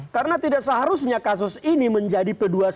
karena tidak seharusnya kasus ini menjadi p dua puluh satu